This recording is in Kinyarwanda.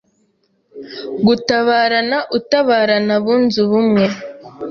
Gutabarana utabarana Abunze ubumwe